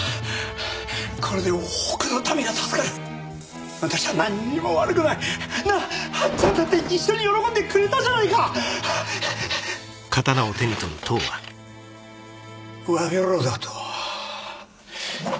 これで多くの民が助かる私は何にも悪くないなぁ八っちゃんだって一緒に喜んでくれたじゃないかわびろだと？